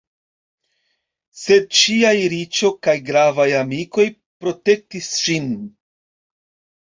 Sed ŝiaj riĉo kaj gravaj amikoj protektis ŝin.